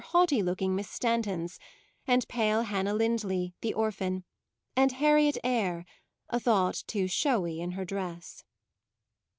23 haughty looking Miss Stantons ; and pale Hannah Lindley, the orphan; and Harriet Eyre, a thought too showy in her dress.